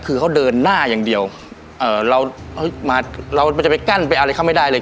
คือเขาเดินหน้าอย่างเดียวเอ่อเรามาเรามันจะไปกั้นไปอะไรเขาไม่ได้เลย